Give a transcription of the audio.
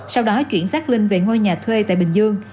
sau đó chuyển xác linh về ngôi nhà thuê tại bình dương